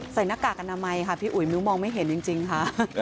หน้ากากอนามัยค่ะพี่อุ๋ยมิ้วมองไม่เห็นจริงค่ะ